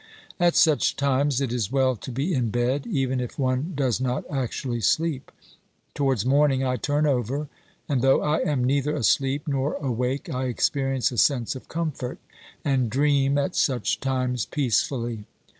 At such times it is well to be in bed, even if one does not actually sleep. Towards morning I turn over, and though I am neither asleep nor awake I experience a sense of comfort, and dream at such times peacefully.